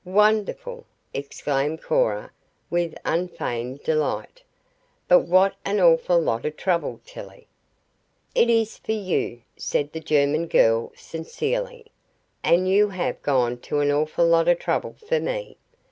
"Wonderful!" exclaimed Cora with unfeigned delight. "But what an awful lot of trouble, Tillie!" "It is for you," said the German girl sincerely, "and you have gone to an awful lot of trouble for me.